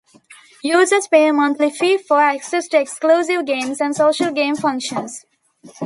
Users pay a monthly fee for access to exclusive games and social game functions.